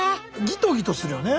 ギトギトするよね。